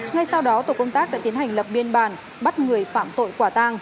ngay sau đó tổ công tác đã tiến hành lập biên bản bắt người phạm tội quả tang